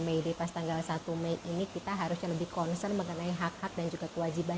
mei depas tanggal satu mei ini kita harus lebih concern mengenai hak hak dan juga kewajiban